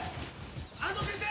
安藤先生！